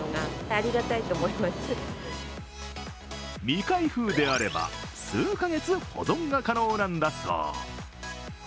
未開封であれば数カ月、保存が可能なんだそう。